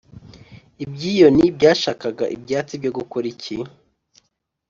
ibyiyoni byashakaga ibyatsi byo gukora iki?